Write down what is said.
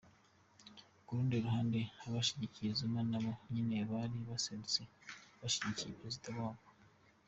Ku rundi ruhande, abashigikiye Zuma nabo nyene bari baserutse gushigikira prezida wabo.